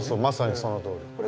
まさにそのとおり。